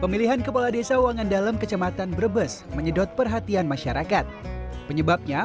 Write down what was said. pemilihan kepala desa wangandalem kecamatan brebes menyedot perhatian masyarakat penyebabnya